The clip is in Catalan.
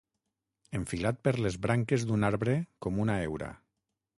Enfilat per les branques d'un arbre com una heura.